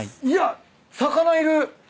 いや魚いる！